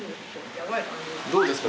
どうですか？